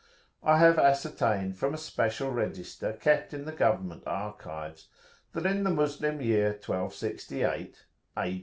[FN#22] I have ascertained from a special register kept in the government archives that in the Moslem year 1268 (A.